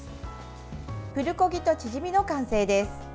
プルコギとチヂミの完成です。